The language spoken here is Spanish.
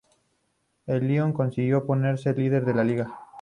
El Lyon, consiguió ponerse líder de la Liga.